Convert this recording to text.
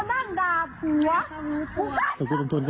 มันทำทุกประมี